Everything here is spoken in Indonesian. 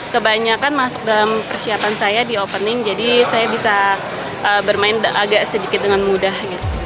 kebanyakan masuk dalam persiapan saya di opening jadi saya bisa bermain agak sedikit dengan mudah